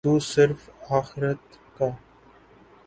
تو صرف آخرت کا۔